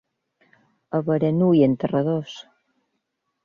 A Beranui, enterradors.